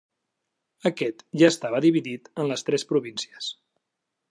Aquest ja estava dividit en les tres províncies: